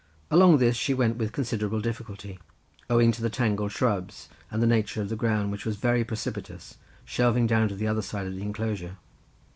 Along this she went with considerable difficulty, owing to the tangled shrubs, and the nature of the ground, which was very precipitous, shelving down to the other side of the enclosure.